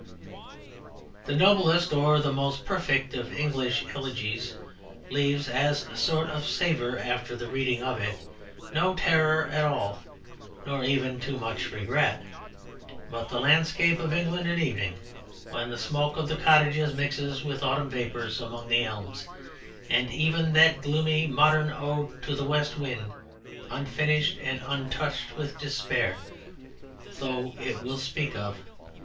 The noblest or the most perfect of English elegies leaves, as a sort of savour after the reading of it, no terror at all nor even too much regret, but the landscape of England at evening, when the smoke of the cottages mixes with autumn vapours among the elms; and even that gloomy modern Ode to the West Wind, unfinished and touched with despair, though it will speak of